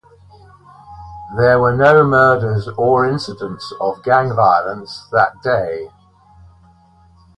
There were no murders or incidents of gang violence that day.